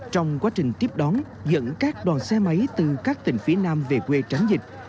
trong quá trình tiếp đón dẫn các đoàn xe máy từ các tỉnh phía nam về quê tránh dịch